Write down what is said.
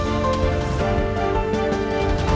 terima kasih ibu sekali lagi